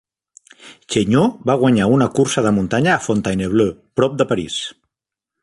Chaigneau va guanyar una cursa de muntanya a Fontainebleau, prop de París.